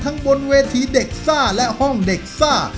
บนเวทีเด็กซ่าและห้องเด็กซ่า